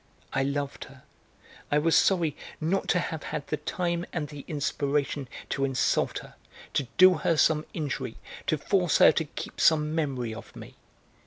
I loved her; I was sorry not to have had the time and the inspiration to insult her, to do her some injury, to force her to keep some memory of me.